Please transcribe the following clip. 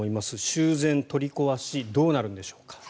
修繕・取り壊しどうなるんでしょうか。